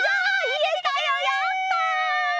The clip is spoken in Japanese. いえたよやった！